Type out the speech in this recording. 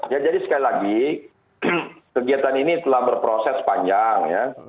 ya jadi sekali lagi kegiatan ini telah berproses panjang ya